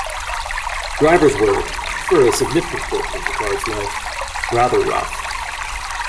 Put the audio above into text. Drivers were, for a significant portion of the card's life, rather rough.